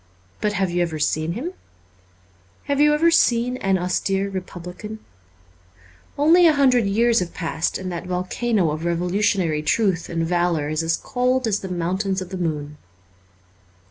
But have you ever seen him ? Have you ever seen an austere republican ? Only a hundred years have passed and that volcano of revolutionary truth and valour is as cold as the mountains of the moon.